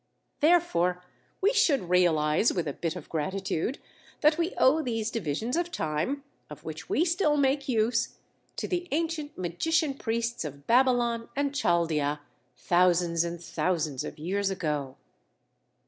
Therefore, we should realize, with a bit of gratitude, that we owe these divisions of time, of which we still make use, to the ancient magician priests of Babylon and Chaldea, thousands and thousands of years ago.